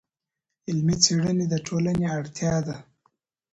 علمي څېړنې د ټولنې اړتیا ده.